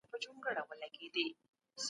د بریالیتوب لپاره پرله پسې هڅه او کوښښ اړین دي.